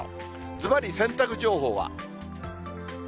ずばり洗濯情報は。